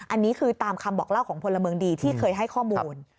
อันนี้คือตามคำบอกเล่าของพลเมืองดีที่เคยให้ข้อมูล